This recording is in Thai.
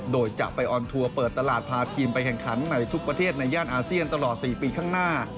โดยจะไปออนทัวร์เปิดตลาดพาทีมไปแข่งขันในทุกประเทศในย่านอาเซียนตลอด๔ปีข้างหน้า